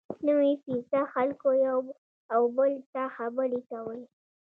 نوي فیصده خلکو یو او بل ته خبرې کولې.